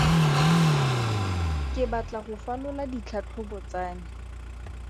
Ke batla go falola ditlhatlhobo tsa me.